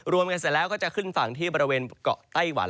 รวมกันเสร็จแล้วก็จะขึ้นฝั่งที่บริเวณเกาะไต้หวัน